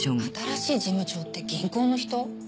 新しい事務長って銀行の人？